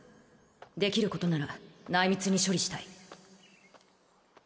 できることなら内密に処理したい